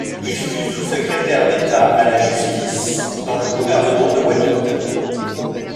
Il fut sous-secrétaire d’État à la justice dans le gouvernement Waddington.